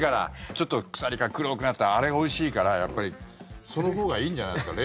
ちょっと黒くなったあれがおいしいからそのほうがいいんじゃないですか。